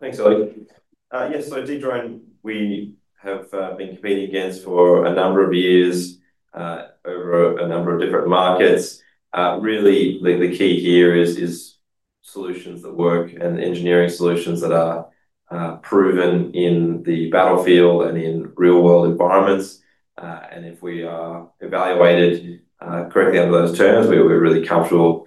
Thanks, Oleg. Yes, so Dedrone, we have been competing against for a number of years over a number of different markets. Really, the key here is solutions that work and engineering solutions that are proven in the battlefield and in real-world environments. If we are evaluated correctly under those terms, we're really comfortable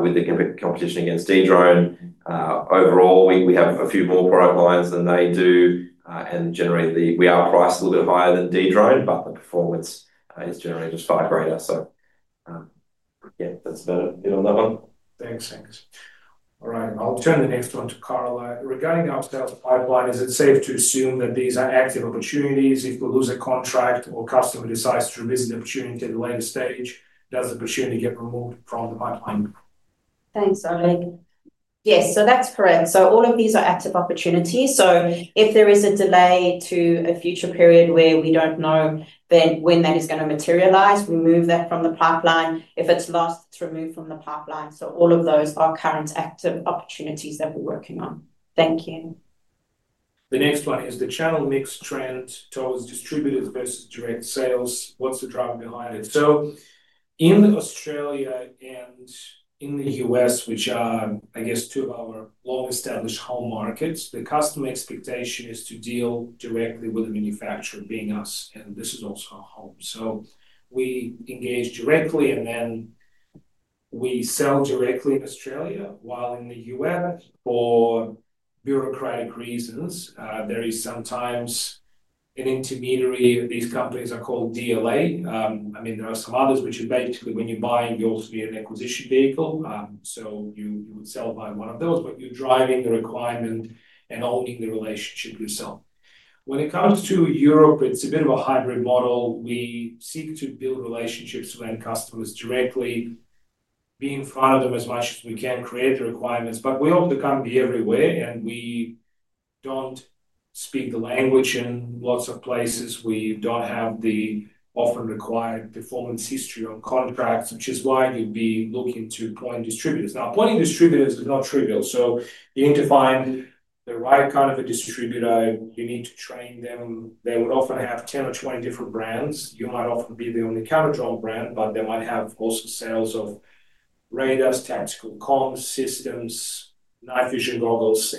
with the competition against Dedrone. Overall, we have a few more product lines than they do, and generally, we are priced a little bit higher than Dedrone, but the performance is generally just far greater. That's about it on that one. Thanks, Angus. All right. I'll turn the next one to Carla. Regarding upsales pipeline, is it safe to assume that these are active opportunities? If we lose a contract or a customer decides to revisit the opportunity at a later stage, does the opportunity get removed from the pipeline? Thanks, Oleg. Yes, that's correct. All of these are active opportunities. If there is a delay to a future period where we don't know when that is going to materialize, we move that from the pipeline. If it's lost, it's removed from the pipeline. All of those are current active opportunities that we're working on. Thank you. The next one is the channel mix trend towards distributed versus direct sales. What's the driver behind it? In Australia and in the U.S., which are, I guess, two of our long-established home markets, the customer expectation is to deal directly with the manufacturer, being us. This is also our home. We engage directly, and we sell directly in Australia. In the U.S., for bureaucratic reasons, there is sometimes an intermediary. These companies are called DLA. There are some others, which are basically, when you buy it, you also need an acquisition vehicle, so you would sell by one of those. You're driving the requirement and owning the relationship yourself. When it comes to Europe, it's a bit of a hybrid model. We seek to build relationships with our customers directly, be in front of them as much as we can, create the requirements. We often can't be everywhere, and we don't speak the language in lots of places. We don't have the often required performance history on contracts, which is why you'd be looking to appoint distributors. Appointing distributors is not trivial. You need to find the right kind of a distributor. You need to train them. They would often have 10 or 20 different brands. You might often be the only counter-drone brand, but they might also have sales of radars, tactical comms systems, night vision goggles.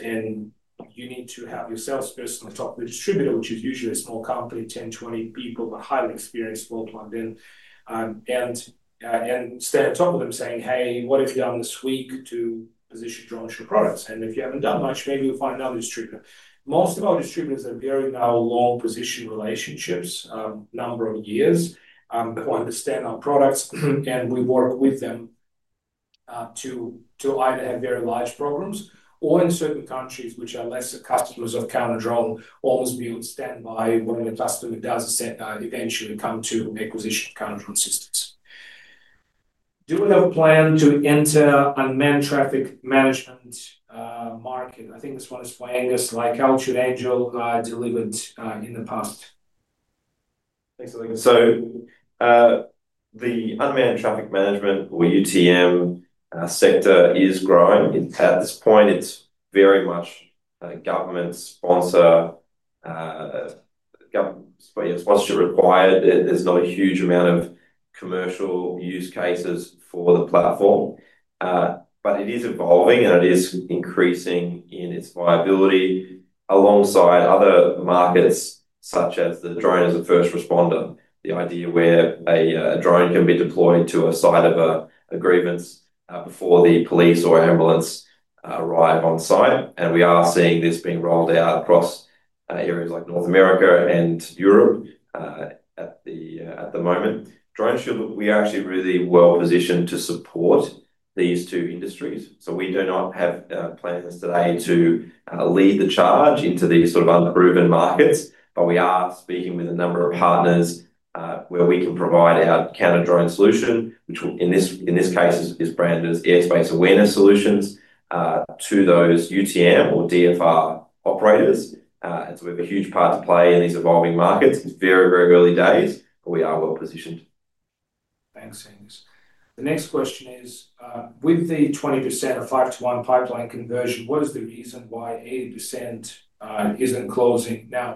You need to have your salesperson on top of the distributor, which is usually a small company, 10, 20 people, but highly experienced, well planned. Stay on top of them saying, hey, what have you done this week to position DroneShield products? If you haven't done much, maybe you'll find another distributor. Most of our distributors are now very long-position relationships, a number of years, who understand our products. We work with them to either have very large programs or, in certain countries which are lesser customers of counter-drone, almost be on standby when the customer does eventually come to acquisition of counter-drone systems. Do we have a plan to enter unmanned traffic management market? I think this one is for Angus. Like culture, Angel, delivered in the past. Thanks, Oleg. The unmanned traffic management or UTM sector is growing. At this point, it's very much a government sponsorship required. There's not a huge amount of commercial use cases for the platform. It is evolving, and it is increasing in its viability alongside other markets such as the drone as a first responder, the idea where a drone can be deployed to a site of a grievance before the police or ambulance arrive on site. We are seeing this being rolled out across areas like North America and Europe at the moment. DroneShield, we are actually really well positioned to support these two industries. We do not have plans today to lead the charge into these sort of unproven markets. We are speaking with a number of partners where we can provide our counter-drone solution, which in this case is branded as airspace awareness solutions, to those UTM or DFR operators. We have a huge part to play in these evolving markets. It's very, very early days, but we are well positioned. Thanks, Angus. The next question is, with the 20% of five to one pipeline conversion, what is the reason why 80% isn't closing now?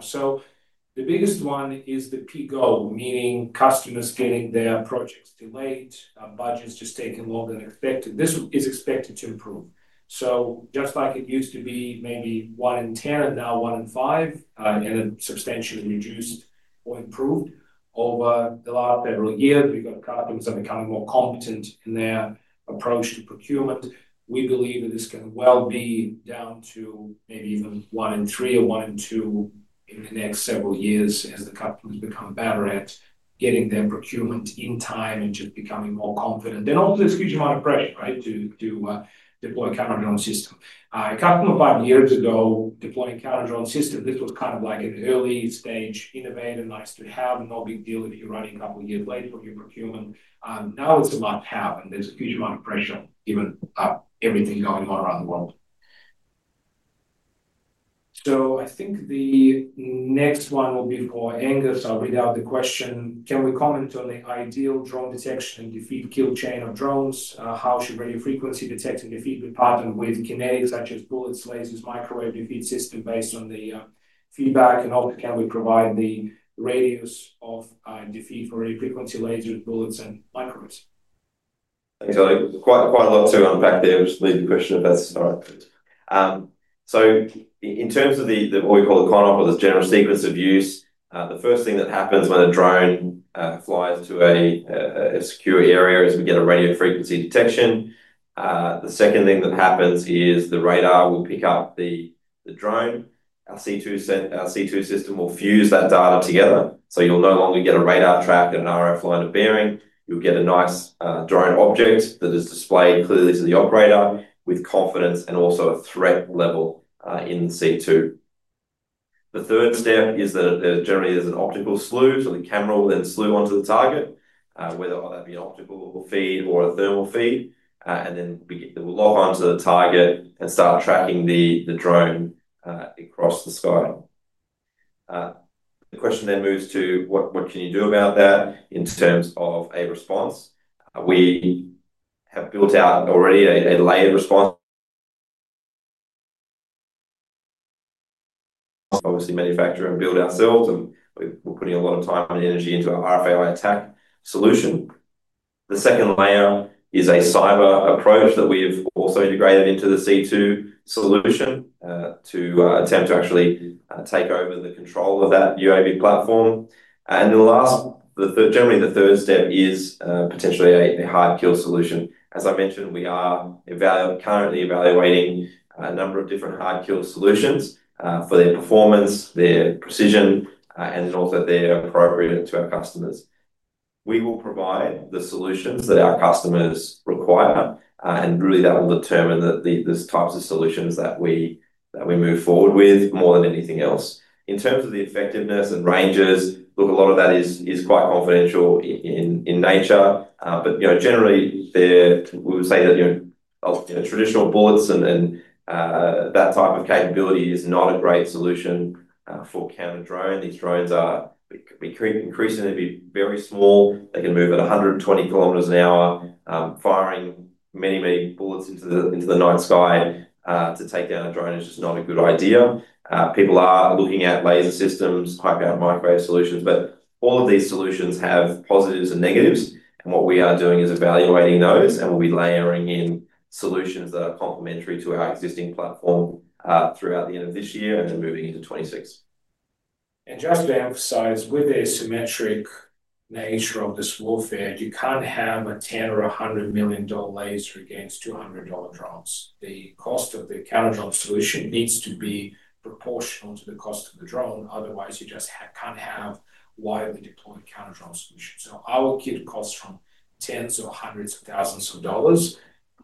The biggest one is the P-GO, meaning customers getting their projects delayed, budgets just taking longer than expected. This is expected to improve. Just like it used to be maybe one in 10 and now one in five and substantially reduced or improved over the last several years, we've got customers that are becoming more competent in their approach to procurement. We believe that this can well be down to maybe even one in three or one in two in the next several years as the customers become better at getting their procurement in time and just becoming more confident. There is also this huge amount of pressure to deploy a Counter-Drone System. A customer five years ago deploying a Counter-Drone System, this was kind of like an early-stage innovator, nice to have, no big deal if you're running a couple of years late from your procurement. Now it's a must-have. There's a huge amount of pressure given everything going on around the world. I think the next one will be for Angus. I'll read out the question. Can we comment on the ideal drone detection and defeat kill chain of drones? How should radio frequency detect and defeat be partnered with kinetics such as bullets, lasers, microwave defeat system based on the feedback? How often can we provide the radius of defeat for radio frequency, lasers, bullets, and microwaves? Thanks, Oleg. Quite a lot to unpack there. Just leave the question if that's all right. In terms of what we call the ConOp or the general sequence of use, the first thing that happens when a drone flies to a secure area is we get a radio frequency detection. The second thing that happens is the radar will pick up the drone. Our C2 system will fuse that data together. You'll no longer get a radar track and an RF line of bearing. You'll get a nice drone object that is displayed clearly to the operator with confidence and also a threat level in C2. The third step is that generally, there's an optical slew. The camera will then slew onto the target, whether that be an optical feed or a thermal feed. It will lock onto the target and start tracking the drone across the sky. The question then moves to what can you do about that in terms of a response? We have built out already a layered response. Obviously, manufacture and build ourselves. We're putting a lot of time and energy into our RF attack solution. The second layer is a cyber approach that we have also integrated into the C2 solution to attempt to actually take over the control of that UAV platform. The last, generally, the third step is potentially a hard-kill solution. As I mentioned, we are currently evaluating a number of different hard-kill solutions for their performance, their precision, and also their appropriateness to our customers. We will provide the solutions that our customers require. That will determine the types of solutions that we move forward with more than anything else. In terms of the effectiveness and ranges, a lot of that is quite confidential in nature. Generally, we would say that traditional bullets and that type of capability is not a great solution for counter-drone. These drones are increasingly very small. They can move at 120 km an hour. Firing many, many bullets into the night sky to take down a drone is just not a good idea. People are looking at laser systems, high-powered microwave solutions. All of these solutions have positives and negatives. What we are doing is evaluating those. We'll be layering in solutions that are complementary to our existing platform throughout the end of this year and then moving into 2026. Just to emphasize, with the asymmetric nature of this warfare, you can't have a $10 million or $100 million laser against $200 drones. The cost of the counter-drone solution needs to be proportional to the cost of the drone. Otherwise, you just can't have widely deployed counter-drone solutions. Our kit costs from tens or hundreds of thousands of dollars,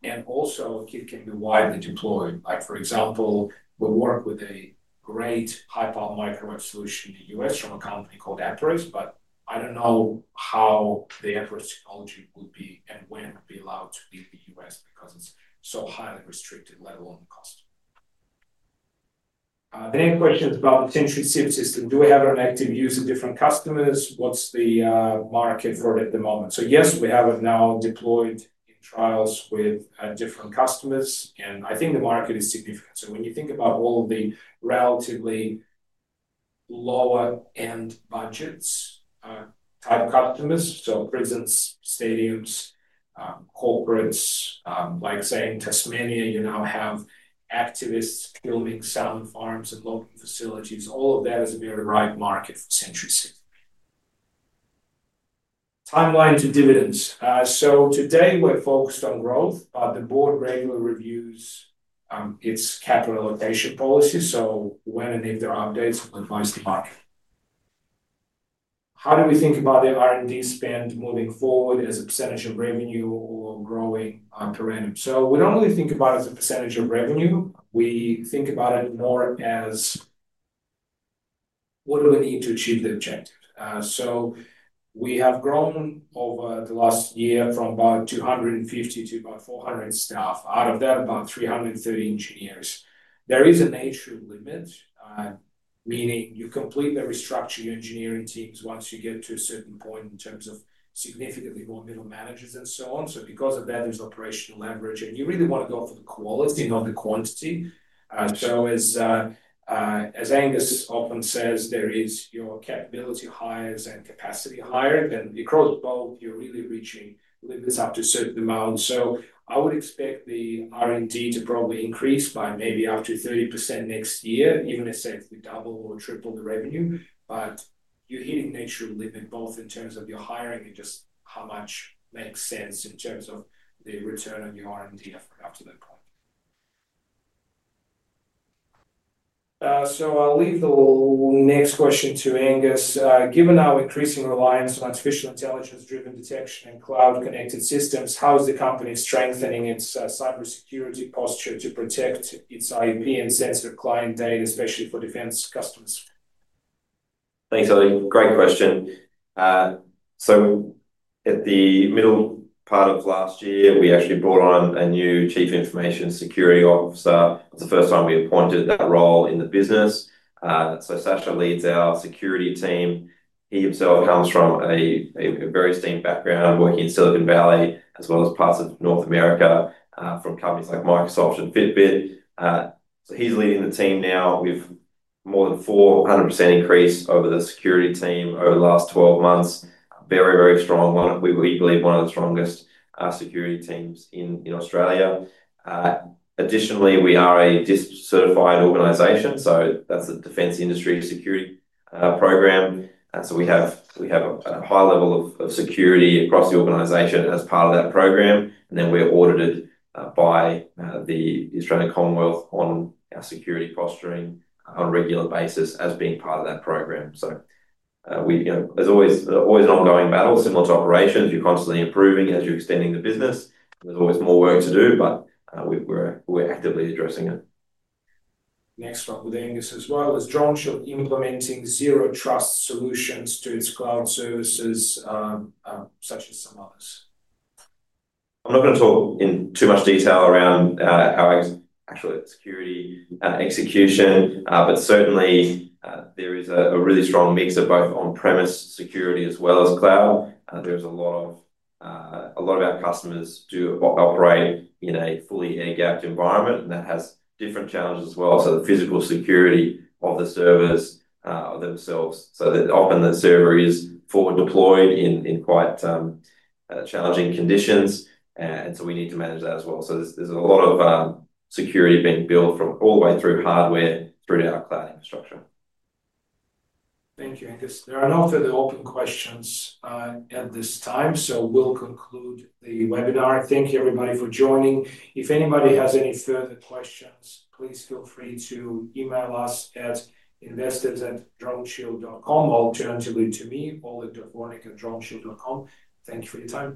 and a kit can be widely deployed. For example, we work with a great high-powered microwave solution in the U.S. from a company called Epirus. I don't know how the Epirus technology would be and when it would be allowed to be in the U.S. because it's so highly restricted, let alone the cost. The next question is about the Sentry Civ system. Do we have it in active use with different customers? What's the market for it at the moment? Yes, we have it now deployed in trials with different customers, and I think the market is significant. When you think about all of the relatively lower-end budget type customers—prisons, stadiums, corporates—like, say, in Tasmania, you now have activists killing salmon farms and logging facilities. All of that is a very ripe market for Sentry Civ. Timeline to dividends. Today, we're focused on growth, but the Board regularly reviews its capital allocation policy. When and if there are updates, we'll advise the market. How do we think about the R&D spend moving forward as a percentage of revenue or growing per annum? We don't really think about it as a percentage of revenue. We think about it more as what do we need to achieve the objective. We have grown over the last year from about 250 to about 400 staff. Out of that, about 330 are engineers. There is an age limit, meaning you completely restructure your engineering teams once you get to a certain point in terms of significantly more middle managers and so on. Because of that, there's operational leverage, and you really want to go for the quality, not the quantity. As Angus often says, there is your capability hire and capacity hire. Then across both, you're really reaching this up to a certain amount. I would expect the R&D to probably increase by maybe up to 30% next year, even if it's a double or triple the revenue. You hit an age limit both in terms of your hiring and just how much makes sense in terms of the return on your R&D effort after that point. I'll leave the next question to Angus. Given our increasing reliance on artificial intelligence-driven detection and cloud-connected systems, how is the company strengthening its cybersecurity posture to protect its IP and sensitive client data, especially for defense customers? Thanks, Oleg. Great question. At the middle part of last year, we actually brought on a new Chief Information Security Officer. It was the first time we appointed that role in the business. Sasha leads our security team. He himself comes from a very esteemed background working in Silicon Valley as well as parts of North America from companies like Microsoft and Fitbit. He's leading the team now. We've had more than 400% increase over the security team over the last 12 months. Very, very strong. We believe one of the strongest security teams in Australia. Additionally, we are a DISP certified organization. That's the Defense Industry Security Program. We have a high level of security across the organization as part of that program. We're audited by the Australian Commonwealth on our security posturing on a regular basis as being part of that program. There's always an ongoing battle, similar to operations. You're constantly improving as you're extending the business. There's always more work to do. We're actively addressing it. Next one with Angus as well. Is DroneShield implementing zero trust solutions to its cloud services, such as some others? I'm not going to talk in too much detail around our actual security execution. Certainly, there is a really strong mix of both on-premise security as well as cloud. A lot of our customers do operate in a fully air-gapped environment, and that has different challenges as well. Also, the physical security of the servers themselves. That often means the server is forward deployed in quite challenging conditions, and we need to manage that as well. There's a lot of security being built from all the way through hardware through to our cloud infrastructure. Thank you, Angus. There are no further open questions at this time, so we'll conclude the webinar. Thank you, everybody, for joining. If anybody has any further questions, please feel free to email us at investors@droneshield.com or, alternatively, to me, olegvornik@droneshield.com. Thank you for your time.